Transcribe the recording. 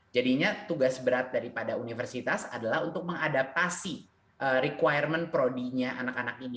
jadinya tugas berat daripada universitas adalah untuk mengadaptasi requirement prodi nya anak anak ini